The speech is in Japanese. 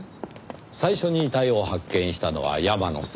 最初に遺体を発見したのは山野さん。